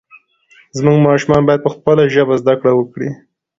زموږ ماشومان باید په خپله ژبه زده کړه وکړي.